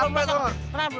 you sending momen